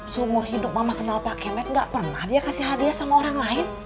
seumur hidup mama kenal pak kemet gak pernah dia kasih hadiah sama orang lain